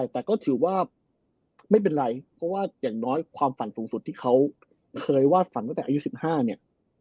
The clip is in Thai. แต่ก็ถือว่าไม่เป็นไรเพราะว่าอย่างน้อยความฝันสูงสุดที่เขาเคยวาดฝันตั้งแต่อายุ๑๕เนี่ย